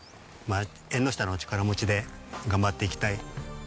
縁の下の力持ちで頑張っていきたい。